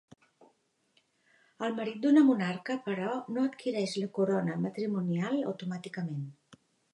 El marit d'una monarca, però, no adquireix la corona matrimonial automàticament.